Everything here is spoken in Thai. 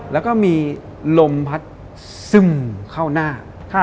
แล้วก็มีลมพัดซึมเข้าหน้า